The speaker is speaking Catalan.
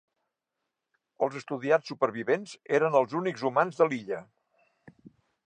Els estudiants supervivents eren els únics humans de l'illa.